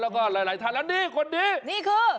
แล้วก็หลายท่านแล้วนี่คนนี้นี่คือ